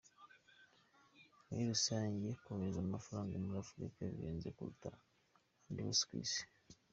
Muri rusange kohereza amafaranga muri Afurika bihenze kuruta ahandi hose ku Isi.